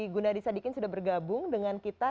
gunadisadikin sudah bergabung dengan kita